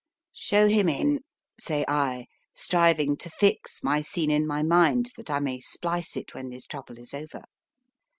Show him in, say I, striving to fix my scene in my mind that I may splice it when this trouble is over.